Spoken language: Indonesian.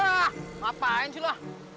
emang lu dali sendiri